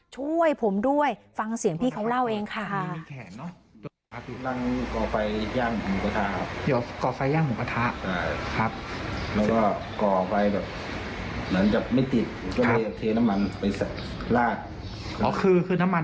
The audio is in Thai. ช่วยผมด้วยฟังเสียงพี่เขาเล่าเองค่ะมีแขนเนอะ